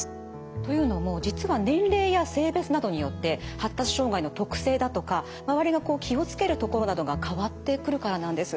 というのも実は年齢や性別などによって発達障害の特性だとか周りが気を付けるところなどが変わってくるからなんです。